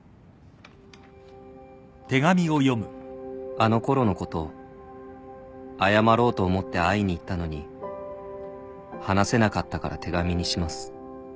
「あのころのこと謝ろうと思って会いに行ったのに話せなかったから手紙にします」